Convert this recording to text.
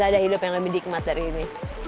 gak ada hidup yang lebih nikmat dari ini